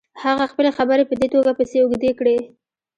هغه خپلې خبرې په دې توګه پسې اوږدې کړې.